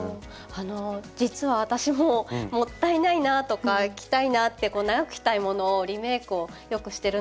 あの実は私ももったいないなとか着たいなって長く着たいものをリメイクをよくしてるんですけど。